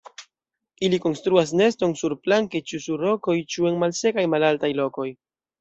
Ili konstruas neston surplanke ĉu sur rokoj ĉu en malsekaj malaltaj lokoj.